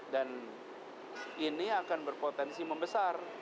dan ini akan berpotensi membesar